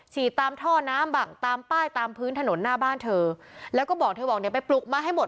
ตามท่อน้ำบ้างตามป้ายตามพื้นถนนหน้าบ้านเธอแล้วก็บอกเธอบอกเดี๋ยวไปปลุกมาให้หมด